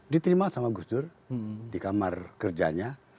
diterima sama gus dur di kamar kerjanya